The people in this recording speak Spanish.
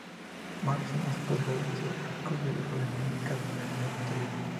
Marcin es padrastro de Jakub, el hijo de Monika de una relación anterior.